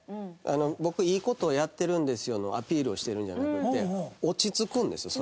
僕いい事やってるんですよのアピールをしてるんじゃなくて落ち着くんですよ